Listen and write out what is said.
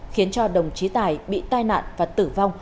khiến cho đồng chí tài bị tai nạn và tử vong